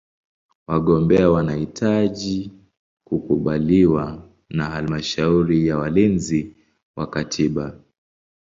Wagombea wanahitaji kukubaliwa na Halmashauri ya Walinzi wa Katiba.